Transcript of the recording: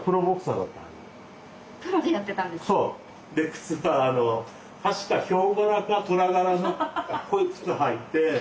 靴は確かヒョウ柄かトラ柄のこういう靴履いて。